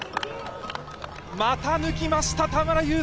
また抜きました、田村友佑